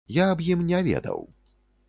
Я аб ім не ведаў.